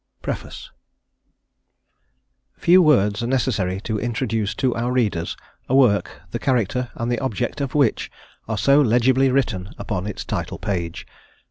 PREFACE Few words are necessary to introduce to our readers a work, the character and the object of which are so legibly written upon its title page.